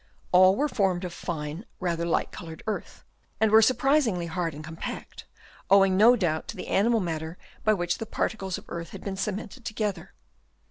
All were formed of fine, rather light coloured earth, and were surpris ingly hard and compact, owing no doubt to the animal matter by which the particles of earth had been cemented together.